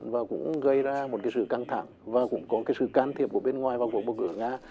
và cũng gây ra một sự căng thẳng và cũng có sự can thiệp của bên ngoài và của bầu cử nga